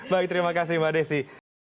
baik terima kasih mbak desi